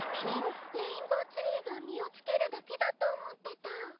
レインボーツリーが実をつけるだけだと思ってた。